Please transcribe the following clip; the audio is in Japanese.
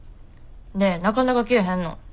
でなかなか消えへんの。